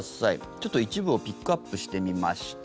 ちょっと一部をピックアップしてみました。